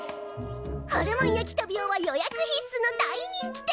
ホルモン焼トビオは予約必須の大人気店！